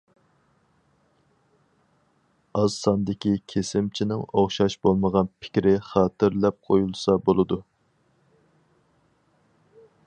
ئاز ساندىكى كېسىمچىنىڭ ئوخشاش بولمىغان پىكرى خاتىرىلەپ قويۇلسا بولىدۇ.